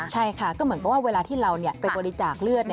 ใช่ค่ะก็เหมือนกับว่าเวลาที่เราไปบริจาคเลือด